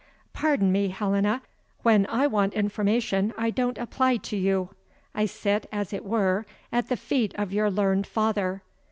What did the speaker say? "Pardon me, Helena, when I want information I don't apply to you: I sit, as it were, at the feet of your learned father.